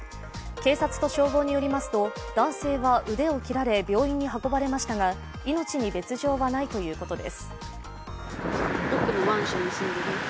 警察と消防によりますと男性は腕を切られ病院に運ばれましたが命に別状はないということです。